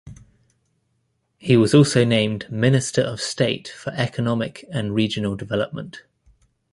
He was also named "Minister of State for Economic and Regional Development".